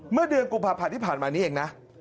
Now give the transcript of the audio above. เมื่อเดือนกุมภาพันธ์ที่ผ่านมานี้เองนะ